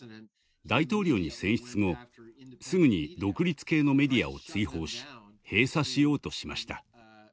大統領に選出後すぐに独立系のメディアを追放し閉鎖しようとしました。